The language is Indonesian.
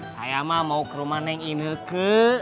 saya mah mau ke rumah neng ineke